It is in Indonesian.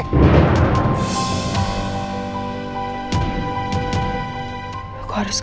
kamu kenapa lompat dari mobil sih